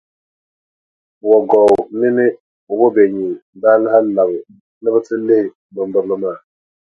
Wagow mini Wobeyin daa lahi labi ni bɛ ti lihi bimbirili maa.